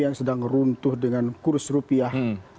yang sedang runtuh dengan kurs rupiah